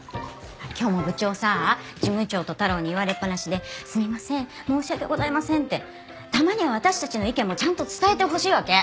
今日も部長さ事務長と太郎に言われっぱなしで「すみません」「申し訳ございません」ってたまには私たちの意見もちゃんと伝えてほしいわけ。